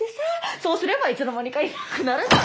そうすればいつの間にかいなくなるだろ。